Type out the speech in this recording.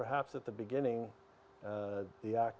dan anda mengunjungi negara negara